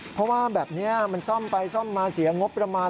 เพราะว่าแบบนี้มันซ่อมไปซ่อมมาเสียงบประมาณ